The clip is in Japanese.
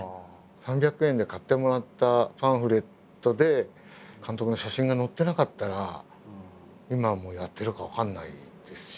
３００円で買ってもらったパンフレットで監督の写真が載ってなかったら今もやってるか分からないですし。